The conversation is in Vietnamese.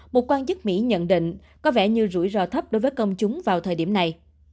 một quan chức mỹ nhận định có vẻ như rủi ro thấp đối với công chúng vào thời điểm này